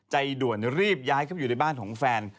ใจด่วนรีบย้ายเข้าไปอยู่ในบ้านของแฟน